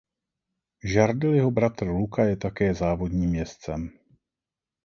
Giardelliho bratr Luca je také závodním jezdcem.